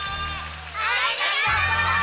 ありがとう！